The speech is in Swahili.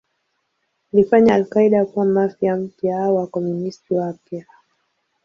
Ilifanya al-Qaeda kuwa Mafia mpya au Wakomunisti wapya.